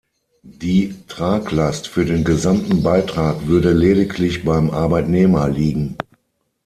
Die Traglast für den gesamten Beitrag würde lediglich beim Arbeitnehmer liegen.